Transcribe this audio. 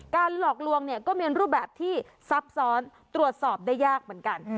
หลอกลวงเนี่ยก็มีรูปแบบที่ซับซ้อนตรวจสอบได้ยากเหมือนกัน